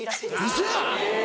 ウソや！